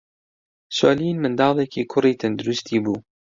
سۆلین منداڵێکی کوڕی تەندروستی بوو.